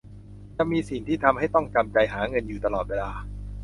จะมีสิ่งที่ทำให้ต้องจำใจหาเงินอยู่ตลอดเวลา